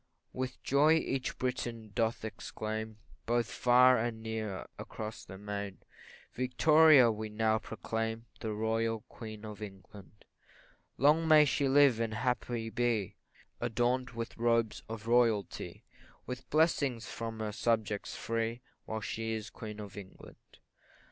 With joy each Briton doth exclaim, Both far and near across the main, Victoria we now proclaim The Royal Queen of England; Long may she live, and happy be, Adorn'd with robes of royalty, With blessings from her subjects free, While she is Queen of England.